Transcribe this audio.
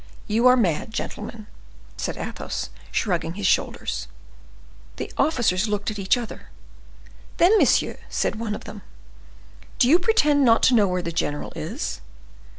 You are mad, gentlemen!" said Athos, shrugging his shoulders. The officers looked at each other. "Then, monsieur," said one of them, "do you pretend not to know where the general is?"